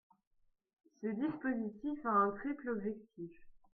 Ce dispositif a un triple objectif.